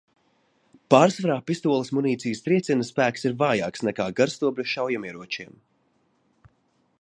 Pārsvarā pistoles munīcijas trieciena spēks ir vājāks nekā garstobra šaujamieročiem.